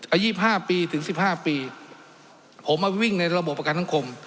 อายุ๒๕ปีถึงสิบห้าปีผมมาวิ่งในระบบประกันสังคม